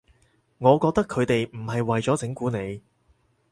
我覺得佢哋唔係為咗整蠱你